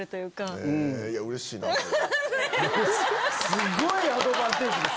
すごいアドバンテージです。